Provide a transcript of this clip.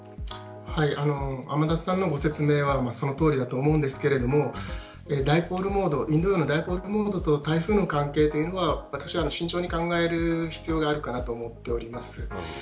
天達さんのご説明はそのとおりだと思うんですがインド洋のダイポールモードと台風の関係は慎重に考える必要があるかなと思っております。